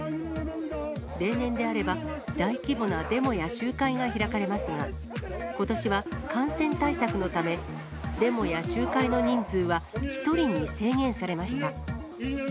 例年であれば、大規模なデモや集会が開かれますが、ことしは感染対策のため、デモや集会の人数は１人に制限されました。